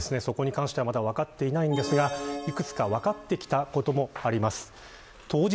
そこに関してはまだ分かっていないんですが幾つか分かってきたこともあります。